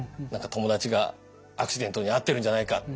「友達がアクシデントに遭ってるんじゃないか」